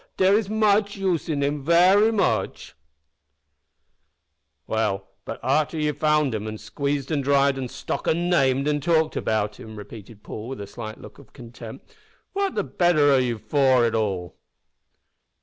dere is moche use in him, very moche!" "Well, but arter you've found, an' squeezed, an' dried, an' stuck, an' named, an' talked about him," repeated Paul, with a slight look of contempt, "what the better are ye for it all?"